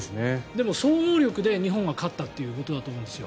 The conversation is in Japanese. でも総合力で日本は勝ったということだと思うんですよ。